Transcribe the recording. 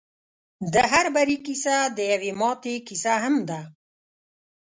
د هر بري کيسه د يوې ماتې کيسه هم ده.